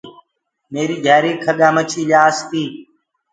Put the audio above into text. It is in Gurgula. ميري گھيآري کڳآ مڇي پآس تي۔